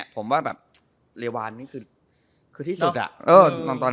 ผมว่าเลวานนี่คือที่สุด